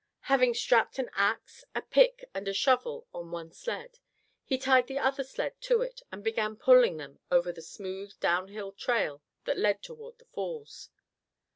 Having strapped an axe, a pick and a shovel on one sled, he tied the other sled to it and began pulling them over the smooth downhill trail that led toward the falls.